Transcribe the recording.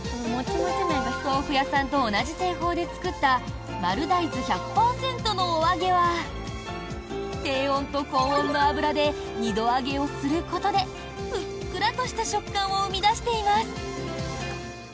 豆腐屋さんと同じ製法で作った丸大豆１００％のお揚げは低温と高温の油で２度揚げをすることでふっくらとした食感を生み出しています。